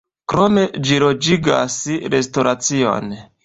Krome ĝi loĝigas restoracion.